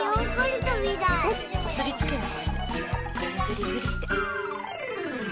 こすりつけて。